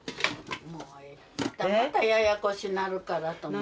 またややこしなるからと思って。